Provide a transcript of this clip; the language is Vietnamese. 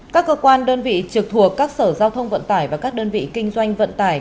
các cơ quan đơn vị trực thuộc các sở giao thông vận tải và các đơn vị kinh doanh vận tải